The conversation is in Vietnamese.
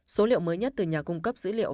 số liệu mới nhất từ nhà cung cấp dữ liệu